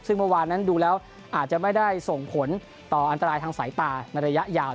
ซึ่งเมื่อวานนั้นดูแล้วอาจจะไม่ได้ส่งผลต่ออันตรายทางสายตาในระยะยาว